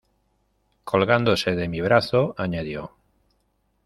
colgándose de mi brazo, añadió: